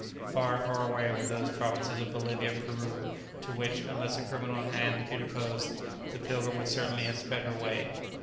Far, far away were those provinces of Bolivia and Peru, to which (unless a criminal hand had interposed) the "Pilgrim" would certainly have sped her way.